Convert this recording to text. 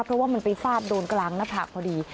เพราะว่ามันไปฟาดโดนกลางหน้าผากพอดี